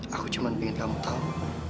aku cuma pengen kamu tahu